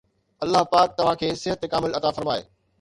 الله پاڪ توهان کي صحت کامل عطا فرمائي